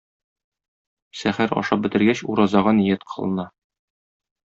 Сәхәр ашап бетергәч, уразага ният кылына.